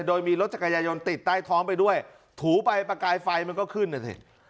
โดยมีรถจักรยายนติดใต้ท้องไปด้วยถูไปประกายไฟมันก็ขึ้นนะสิ